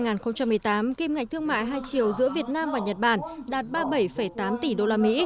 năm hai nghìn một mươi tám kim ngạch thương mại hai triệu giữa việt nam và nhật bản đạt ba mươi bảy tám tỷ usd